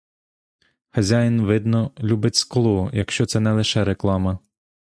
Хазяїн, видно, любить скло, якщо це не лише реклама.